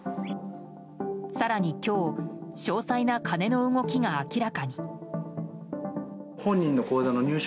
更に今日詳細な金の動きが明らかに。